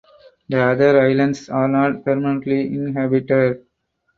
The other islands are not permanently inhabited.